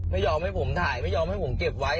ไม่ยอมให้ผมถ่ายไม่ยอมให้ผมเก็บไว้